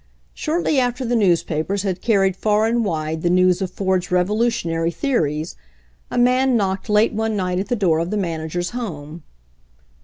> Shortly after the newspapers had carried far and wide the news of Ford's revolutionary the ories a man knocked late one night at the door of the manager's home.